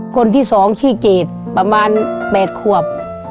คนที่๒ชื่อเกดประมาณ๘ขวบ